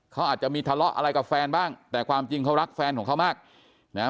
เขาอาจจะมีทะเลาะอะไรกับแฟนบ้างแต่ความจริงเขารักแฟนของเขามากนะฮะ